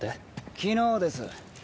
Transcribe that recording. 昨日です。